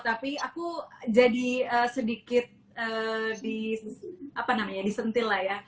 tapi aku jadi sedikit di apa namanya disentil lah ya